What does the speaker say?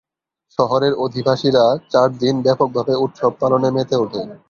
শহরের অধিবাসীরা চারদিন ব্যাপকভাবে উৎসব পালনে মেতে উঠে।